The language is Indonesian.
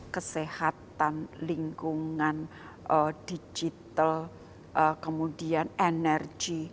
kesehatan lingkungan digital kemudian energi